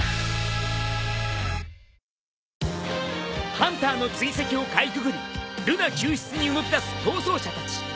ハンターの追跡をかいくぐりルナ救出に動きだす逃走者たち。